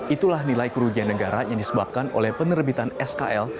itulah nilai kerugian negara yang disebabkan oleh penerbitan skl